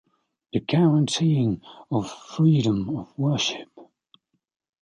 The guaranteeing of freedom of worship.